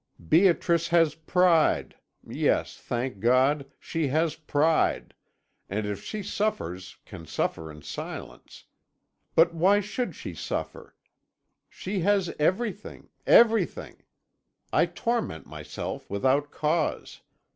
'Beatrice has pride yes, thank God, she has pride, and if she suffers can suffer in silence. But why should she suffer? She has everything everything! I torment myself without cause.